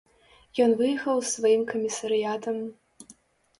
Ён выехаў з сваім камісарыятам.